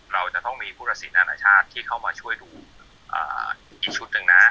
เราจะต้องมีผู้ตัดสินอนาชาติที่เข้ามาช่วยดูอีกชุดหนึ่งนะ